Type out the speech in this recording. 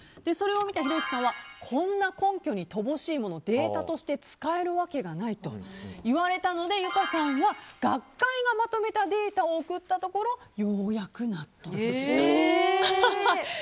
それを見たひろゆきさんはこんな根拠に乏しいものデータとして使えるわけがないと言われたのでゆかさんは学会がまとめたデータを送ったところようやく納得したと。